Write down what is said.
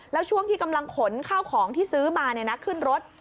แล้วช่วงที่กำลังขนข้าวของที่ซื้อมาขึ้นรถ